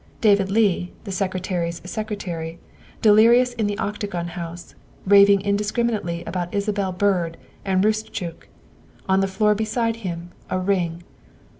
David Leigh, the Secretary's secretary, de lirious in the Octagon House, raving indiscriminately about Isabel Byrd and Roostchook. On the floor be side him a ring.